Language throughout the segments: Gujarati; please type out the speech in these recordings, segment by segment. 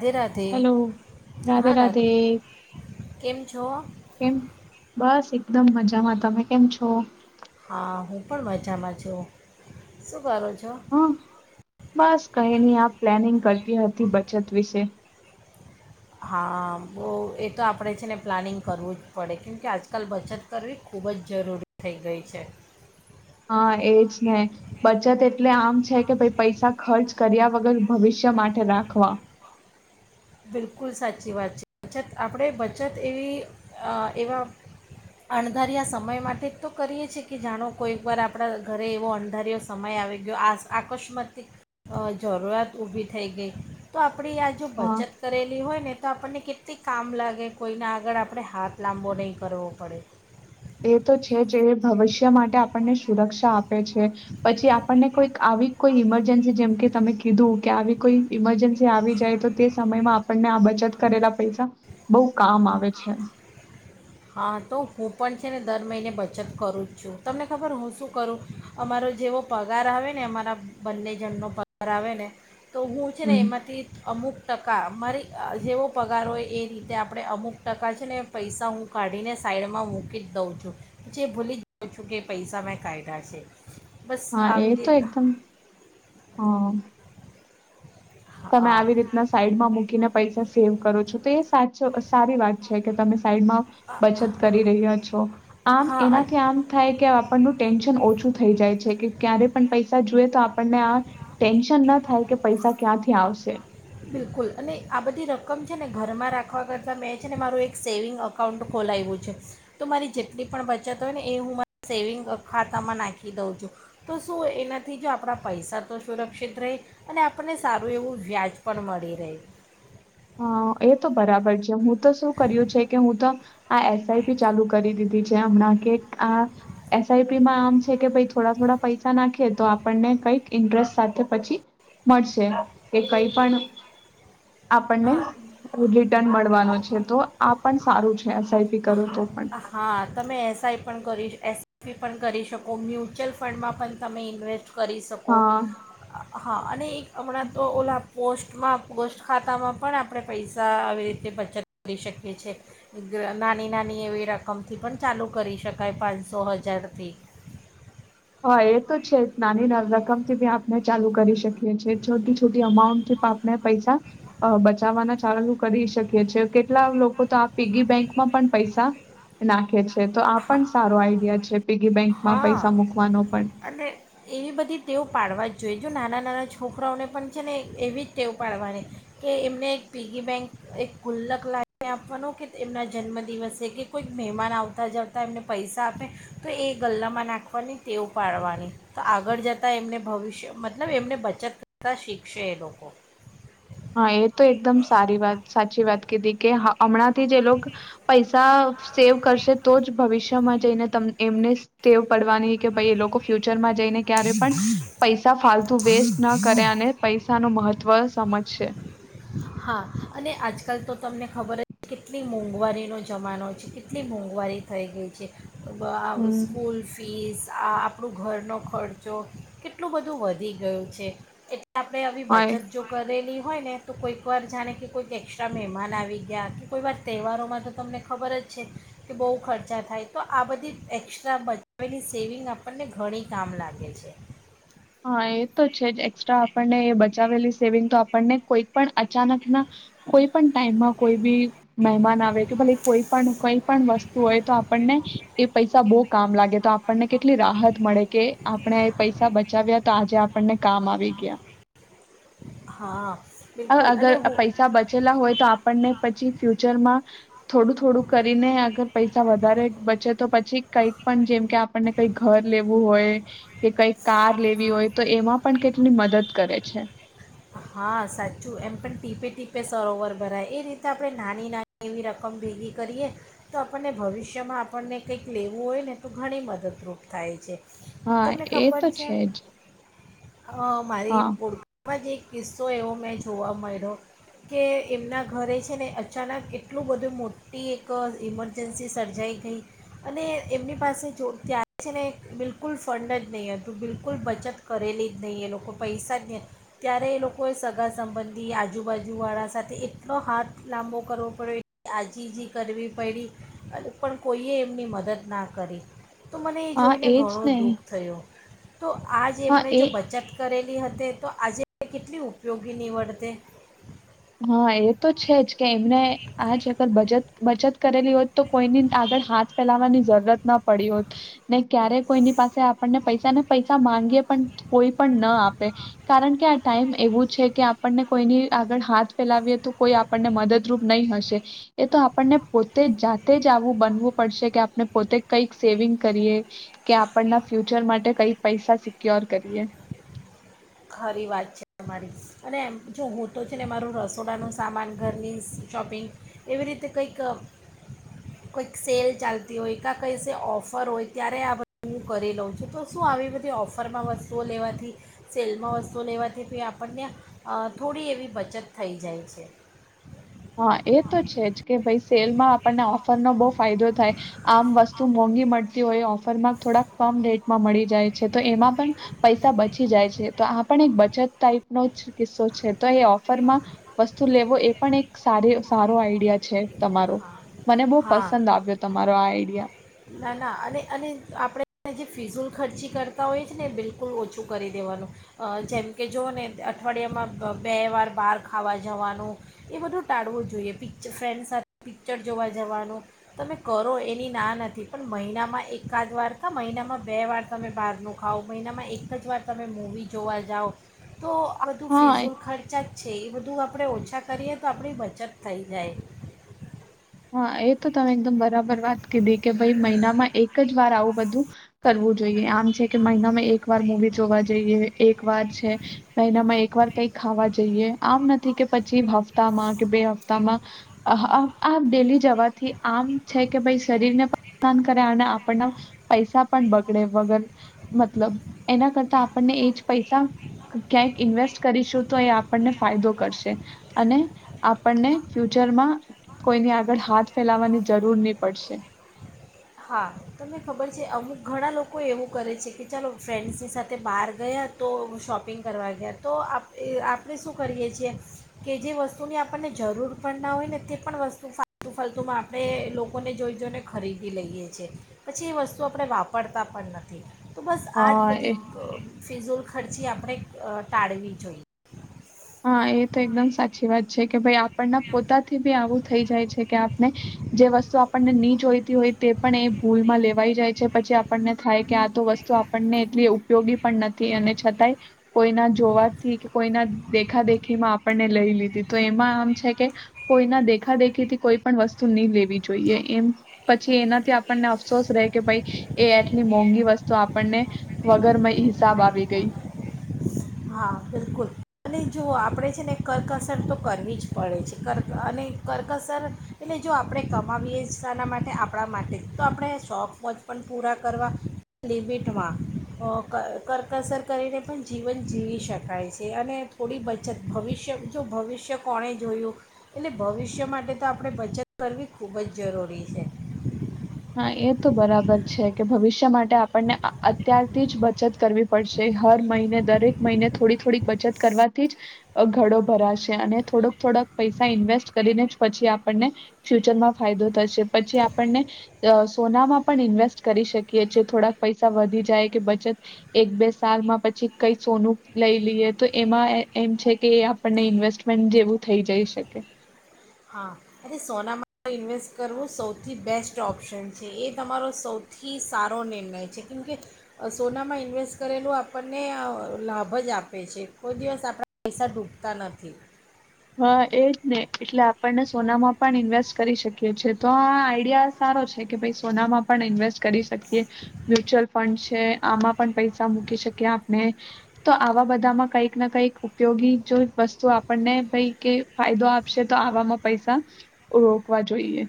રાધે રાધે હલો, રાધે, હા રાધ રાધે, કેમ છો કેમ બસ એકદમ મજામાં તમે કેમ છો હા, હું પણ મજામાં છું, શું કરો છો હમ, બસ કઈ ની આપ પ્લાનિંગ કરતી હતી બચત વિશે હા, બહુ એ તો આપણે છે ને પ્લાનિંગ કરવું જ પડે કેમકે આજકાલ બચત કરવી ખૂબ જ જરૂરી થઈ ગઈ છે હા એજ ને બચત એટલે આમ છે કે ભાઈ પૈસા ખર્ચ કર્યા વગર ભવિષ્ય માટે રાખવા. બિલકુલ સાચી વાત છે બચત આપણેે બચત એવી એવા અણધાર્યા સમય માટે તો કરીએ છીએ કે જાણો કોઈક વાર આપડા ઘરે એવો અણધારયો સમય આવી ગયો આકસ્મતિક જરૂરિયાત ઊભી થઈ ગઈ તો આપણી આજ હા બચત હોય ને તો આપણને કેટલી કામ લાગે કોઈને આગળ આપણે હાથ લાંબો નહી કરવો પડે એ તો છે જે ભવિષ્ય માટે આપણને સુરક્ષા આપે છે પછી આપણને કોઈ આવી કોઈ ઈમરજન્સી જેમકે તમે કીધું કે આવી કોઈ ઈમરજન્સી આવી જાય તો તે સમયમાં આપણને આ બચત કરેલા પૈસા બહુ કામ આવે છે. હા તો હું પણ છે ને દર મહિને બચત કરું જ છું તમને ખબર હું શું કરું અમારો જેવો પગાર આવે ને અમારા બંને જણનો પગાર આવે ને તો હું છે ને હમ એમાંથી અમુક ટકા અમારી જેવો પગાર હોય એ રીતે આપણે અમુક ટકા છે ને પૈસા હું કાઢીને સાઈડમાં મૂકી જ દઉં છું પછી ભૂલી જાઉં છું કે પૈસા મેં કાઢા છે. બસ હા એ આવી તો રીત એકદમ હમ તમે હા આવી રીતના સાઈડમાં મૂકીને પૈસા સેવ કરો છો તો એ સાચો સારી વાત છે કે તમે સાઈડમાં બચત કરી રહ્યા છો આમ હા અને એનાથી આમ થાય કે આપ ટેન્શન ઓછું થઇ જાય છે કે ક્યારે પણ પૈસા જોએ તો આપણને આ ટેન્શન ના થાય કે પૈસા ક્યાંથી આવશે. બિલકુલ અને આ બધી રકમ છે ને ઘરમાં રાખવા કરતાં મેં છે ને મારું એક સેવિંગ અકાઉન્ટ ખોલાવ્યું છે તો મારી જેટલી પણ બચત હોય ને એ હું મા સેવિંગ ખાતામાં નાખી દઉં છું તો શું એનાથી જો આપણા પૈસા તો સુરક્ષિત રહે અને આપણને સારું એવું વ્યાજ પણ મળી રહેહ હા એ તો બરાબર છે હું. તો શું કર્યું છે કે હું તો આ એસઆઈપી ચાલુ કરી દીધી જે હમણાં કે આ એસ આઈ પી મા આમ છે કે થોડા થોડા પૈસા નાખીએ તો આપણને કઈક ઇન્ટરેસ્ટ સાથે પછી મળશે કે કઈ પણ આ આપણને ન મળવાનો છે. તો આ પણ સારું છે એસઆઈપી કરો તો પણ એસએસપી પણ કરી શકો મ્યુચ્યુઅલ ફંડમાં પણ તમે ઇન્વેસ્ટ કરી શકો હા હા અને એક હમણાં તો ઓલા પોસ્ટમાં પોસ્ટ ખાતામાં પણ આપણે પૈસા આવી રીતે બચત કરી શકે છે નાની નાની એવી રકમથી પણ ચાલુ કરી શકાય પાંચસો હજારથી હા એ તો છે નાની ના રકમથી બી આપણે ચાલુ કરી શકીએ છેએ છોટી છોટી અમાઉન્ટથી પણ આપણે પૈસા બચાવવાના ચાલુ કરી શકીએ છે કેટલા લોકો તો આ પીગી બેંકમાં પણ પૈસા નાખે છે. તો આ હા પણ સારો આઈડિયા છે પીગી બેંકમાં પૈસા મુક અને એવી બધી તેઓ પાડવા જ જોઈજ નાના નાના છોકરાઓને પણ છે ને એવી જ ટેવ પાડવાની કે એમને એક પીગી બેંક એક ગુલ્લક લને આપવાનો કે એમના જન્મદિવસે કે કોઈક મહેમાન આવતા આવતા જતાં એમને પૈસા આપે તો એ ગલ્લામાં નાખવાની તેઓ ઉપાડવાની તો આગળ જતાં એમને ભવિષ્ય મતલબ એમને બચત કરતા શીખશે એ લોકો હા એ તો એકદમ સારી વાત સાચી વાત કીધી કે હ હમણાં થી જે લોકો પૈસા સેવ કરશે તો જ ભવિષ્ય જને એમને ટેવ પડવાની કે ભાઈ એ લોકો ફ્યુચર માં જને ક્યારે પણ પૈસા ફલતુ વેસ્ટ ના કરે અને પૈસા નું મહત્વ સમજ અ્છ. હા અને આજકાલ તો તમને ખબર જ કેટલી મોંઘવારીનો જમાનો છે કેટલી મોંઘવારી થઈ ગઈ છે. બ હમ સ્કૂલ ફીસ. આ આપણું ઘરનો ખર્ચો કેટલું બધું વધી ગયું છે એટ આપણે આવી હા એ બચત જો કરેલી હોયને તું કોઈ એકવાર જાણે કે કોઈક એક્સ્ટ્રા મહેમાન આવી ગયા કે કોઈવાર તહેવારોમાં તો તમને ખબર જ છે કે બહુ ખર્ચા થાય તો આ બધી એક્સ્ટ્રા બચાવેલી સેવિંગ આપણને ઘણી કામ લાગે છે. હા એ તો છે જ એક્સ્ટ્રા આપણને બચાવેલી સેવિંગ તો આપણને કોઈ પણ અચાનક ના કોઈ પણ ટાઈમમાં કોઈ બી મહેમાન આવે કે ભલે કોઈ પણ કોઈ પણ વસ્તુ હોય તો આપણને એ પૈસા બહુ કામ લાગે તો આપણને કેટલી રાહત મળે કે આપણે એ પૈસા. બચાવ્યા તો આજે આપણને કામ આવી ગયા. હા. બિલકુલ અગર અને હું પૈસા બચેલા હોય તો આપણને પછી ફ્યુચરમાં થોડું થોડું કરીને અગર પૈસા વધારે બચે તો પછી. કંઈક પણ જેમ કે આપણને કઈ ઘર લેવું હોય કે કઈ કાર લેવી હોય તો એમાં પણ કેટલી મદદ કરે છે. હા સાચું એમ પણ ટીપે ટીપે સરોવર ભરાય એ રીતે આપણે નાની નાની એવી રકમ ભેગી કરીએ તો આપણને ભવિષ્યમાં આપણને કંઈક લેવું હોય ને તો ઘણી મદદરૂપ થાય છે. હા તમને એ ખબર તો છે જ. અ મારી હા પોળમાં જ એક કિસ્સો એવો મેં જોવા મળ્યો કે એમના ઘરે છે ને અચાનક એટલું બધું મોટી એક ઇમરજન્સી સર્જાઈ ગઈ અને એમની પાસે જો ત્યારે છે ને બિલકુલ ફંડ જ નહીં હતું બિલકુલ બચત કરેલી જ નહીં એ લોકો પૈસા જ નહીં. ત્યારે એ લોકોએ સગા સંબંધી આજુબાજુવાળા સાથે એટલો હાથ લાંબો કરવો પડ્યો આજીજી કરવી પડી પણ કોઈએ એમની મદદ ના કરી. તો મને એ હા જોઈને એજ ઘણો ને દુઃખ થયો. તો આજ હા એમણે એ જો બચત કરેલ. હતી તો આજે. તે કેટલી ઉપયોગી નીવડતે. હા એ તો છે જ કે એમને આજ ગર બચત બચત. કરેલી હોત તો કોઈની આગળ હાથ ફેલાવાની જરૂરત ના પડી હોત ને ક્યારે કોઈની પાસે આપણને પૈસા ને પૈસા માંગીએ પણ કોઈ પણ ના આપે કારણ કે આ ટાઈમ એવું છે કે આપણને કોઈની આગળ હાથ. ફેલાવીએ તો કોઈ આપણને મદદરૂપ નહીં હશે એ તો આપણને પોતે જાતે જ આવું બનવું પડશે કે આપણે પોતે કઈક સેવિંગ કરીએ કે આપણના ફ્યુચર માટે કઈ પૈસા સિક્યોર કરીએ. ખરી વાત છે મારી અનેમ જો હું તો છે ને મારું રસોડાનું સામાન ઘરની શોપિંગ એવી રીતે કંઈક કંઈક સેલ ચાલતી હોય કાં કઈ છે ઓફર હોય ત્યારે આ બધ હું કરી લઉં છું તો શું આવી બધી ઓફરમાં વસ્તુઓ લેવાથી. સેલમાં વસ્તુ લેવાથી આપણને થોડી એવી બચત થઈ જાય છે. હા એ તો છે જ કે ભાઈ સેલમાં આપણને ઓફરનો બહુ ફાયદો થાય આમ વસ્તુ મોંઘી મળતી હોય ઑફરમાં થોડાક કમ રેટમાં મળી જાય છે તો એમાં. પણ પૈસા બચી જાય છે તો. એક બચત ટાઈપનો કિસ્સો છે તો એ ઓફરમાં વસ્તુ લેવો એ પણ એક સ સારો આઈડિયા છે તમારો હા મને બહુ હા પસંદ આવ્યો તમારો આ આઈડિયા. ના ના અને અને આપણે જે ફિઝૂલ ખર્ચી કરતા હોઈએ છે ને એ બિલકુલ ઓછું કરી દેવાનું જેમ કે જુઓ ને અઠવાડિયામાં બે વાર બહાર ખાવા જવાનું એ બધું ટાળવું જોઈએ પિક્ચર ફ્રેન્ડ સાથે પિક્ચર જોવા જવાનું તમે કરો એની ના નથી પણ મહિનામાં એકાદ વાર કા મહિનામાં બે વાર તમે બહારનું ખાવ મહિનામાં એક જ વાર તમે મૂવી જોવા જાઓ. તો આ બધું હા ફિઝુલ ખર્ચા છે, એ બધું આપણે ઓછા કરીએ તો આપણી બચત થઈ જાય હા, એ તો તમે બરાબર વાત કે દે કે મહિનામાં એક જ વાર આવું બધું કરવું જોઈએ કે મહિનામાં એક વાર મુવી જોવા જઈએ વાર છે, મહિનામાં એક વાર કઈ ખાવા જઈએ, આમ નથી કે પછી હપ્તામાં કે બે હપ્તામાં આ ડેલી જવાથી આમ છે કે ભાઈ શરીરને પણાન કરે અને આપણના પૈસા પણ બગડે વગર મતલબ એના કરતા આપણને એ જ પૈસા ક્યાંક ઇન્વેસ્ટ કરીશું તો એ આપણને ફાયદો કરશે અને આપણને ફ્યુચરમાં કોઈને આગળ હાથ ફેલાવાની જરૂર ની પડશે હા, તમને ખબર છે, અમુક ઘણા લોકો એવું કરે છે કે ચાલો ફ્રેન્ડ્સની સાથે બાર ગયા તો શોપિંગ કરવા ગયા તો આપણે શું કરીએ છીએ કે જે વસ્તુની આપણને જરૂર પણ ના હોય ને તે પણ વસ્તુ ફાલતુ ફાલતુમાં આપણે લોકોને જોઈ જોઈ ને ખરી લઈએ છે એ પછી એ વસ્તુ આપણે વાપરતા પણ નથી. તો બસ આજ હા એ બધી ફિઝુલ ખર્ચી આપણે ટાળવી જોઈએ. હા એ તો એકદમ સાચી વાત છે કે ભાઈ પણ પોતાથી બી આવું થઈ જાય છે કે આપને જે વસ્તુ આપણને નહી જોઈતી હોય તે પણ એ ભૂલમાં લેવાઈ જાય છે પછી આપણને થાય કે આ તો વસ્તુ આપણને એટલી ઉપયોગી પણ નથી અને છતાંય કોઈના જોવાથી કે કોઈના દેખા દેખીમાં આપણને લઈ લીધી તો એમાં આમ છે કે કોઈના દેખા દેખી થી કોઈ પણ વસ્તુ નહી લેવી જોઈએ એમ પછી એનાથી આપણને અફસોસ રહે કે ભાઈ એ આટલી મોંઘી વસ્તુ આપણને વગરમાંય હિસાબ આવી ગઈ. હા બિલકુલ અને જો આપણે છે ને કર્કસર તો કરવી જ પડે છે કર્ક અને કર્કસર એટલે જો આપણે કમાવીએના માટે આપણ માટે તો આપણે શોખ વચ પણ પૂરા કરવા લિમિટમાં કર્કસર કરીને પણ જીવન જીવી શકાય છે અને થોડી બચત ભવિષ્ય જો ભવિષ્ય કોણે જોયું એટલે ભવિષ્ય માટે તો આપણે બચત કરવી ખૂબ જ જરૂરી છે. એ તો બરાબર છે કે ભવિષ્ય માટે આપણને અત્યારથી જ બચત કરવી પડશે હર મહિને દરેક મહિને થોડી થોડીક બચત કરવાથી જ ઘડો ભરાશે અને થોડક થોડાક પૈસા ઇન્વેસ્ટ કરીને જ પછી આપણને ફ્યુચરમાં ફાયદો થશે પછી આપણને સોનામાં પણ ઇન્વેસ્ટ કરી શકીએી થોડાક પૈસા વધી જાય કે બચત એક બે સાલમાં પછી કઈ સોનું લઈ લઈએ તો એમાં એમ છે કે આપણને ઇન્વેસ્ટમેન્ટ જેવું થઈ જઈ શકે. હા અરે સોનામાં ઇન્વેસ્ટ કરવું સૌથી બેસ્ટ ઓપ્શન છે એ તમારો સૌથી સારો નિર્ણય છે કેમકે સોનામાં ઇન્વેસ્ટ કરેલું આપણને લાભ જ આપે છે કોઈ દિવસ આપણા પૈસા ડૂબતા નથી. હા એજ ને એટલે આપણને સોનામાં પણ ઈન્વેસ્ટ કરી શકીએ છેએ તો આ આઈડિયા સારો છે કે ભાઈ સોનામાં પણ ઇન્વેસ્ટ કરી શકી. મ્યુચ્યુઅલ ફંડ છે આમાં પણ પૈસા મૂકી શકેયે ક્યા આપણે તો આવા બધામાં કઈક ના કઈક ઉપયોગી જો વસ્તુ આપણને કઈ કે ફાયદો આપશે તો આવામાં પૈસા રોકવા જોઈએ.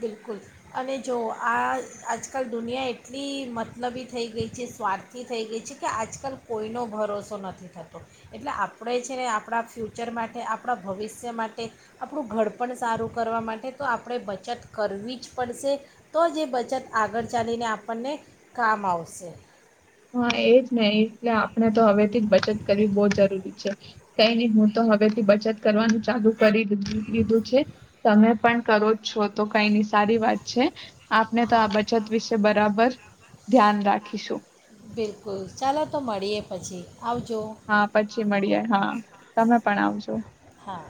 બિલકુલ અને જો આ આજકાલ દુનિયા એટલી મતલબી થઈ ગઈ છે સ્વાર્થી થઈ ગઈ છે કે આજકાલ કોઈનો ભરોસો નથી થતો એટલે આપણે છે ને આપણા ફ્યુચર માટે આપણા ભવિષ્ય માટે આપણું ઘડપણ સારું કરવા માટે તો આપણે બચત કરવી જ પડશે તો જે એ બચત આગળ ચાલીને આપણને કામ આવશે. હા એજ ને એટલે આપણે તો હવેથી જ બચત કરવી બોહ જરૂરી છે કઈ નઈ હું તો હવેથી બચત કરવાનું ચાલુ કરી લીધું છે તમે પણ કરો છો તો કઈ ની સારી વાત છે. આપને તો હા આ બચત વિશે બરાબર ધ્યાન રાખીશું. બિલકુલ ચાલો તો મળીએ પછી. આવજો હા પછી મળીએ, હા તમે પણ આવજો. હા